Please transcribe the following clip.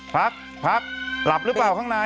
พักพักหลับหรือเปล่าข้างใน